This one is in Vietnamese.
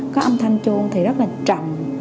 có âm thanh chuông thì rất là trầm